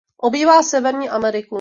Obývá Severní Ameriku.